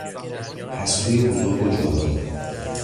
پستوی بزرگ و جادار